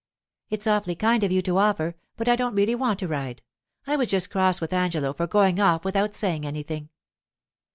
'It's awfully kind of you to offer, but I don't really want to ride. I was just cross with Angelo for going off without saying anything.